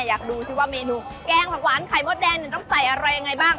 อยากดูสิว่าเมนูแกงผักหวานไข่มดแดงต้องใส่อะไรยังไงบ้าง